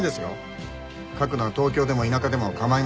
書くのは東京でも田舎でも構いません。